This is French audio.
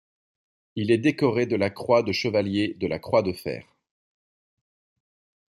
Il est décoré de la croix de chevalier de la croix de fer.